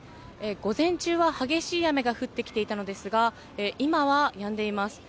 午前中は激しい雨が降ってきていたのですが、今はやんでいます。